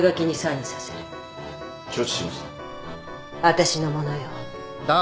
私のものよ。